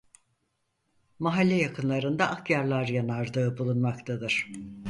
Mahalle yakınlarında Akyarlar Yanardağı bulunmaktadır.